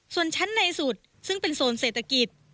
ส่วนชั้นในสุดซึ่งเป็นโซนเศรษฐกิจ